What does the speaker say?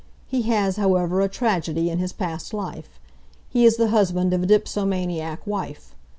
He has, however, a tragedy in his past life. He is the husband of a dipsomaniac wife.